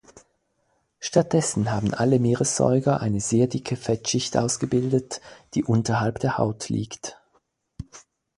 Stattdessen haben alle Meeressäuger eine sehr dicke Fettschicht ausgebildet, die unterhalb der Haut liegt.